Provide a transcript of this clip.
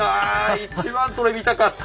一番それ見たかった！